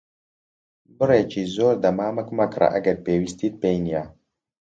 بڕێکی زۆر دەمامک مەکڕە ئەگەر پێویستیت پێی نییە.